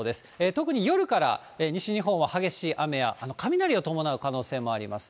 特に夜から、西日本は激しい雨や雷を伴う可能性もあります。